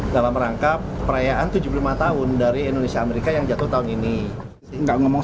dalam rangka perayaan tujuh puluh lima tahun dari indonesia amerika yang jatuh tahun ini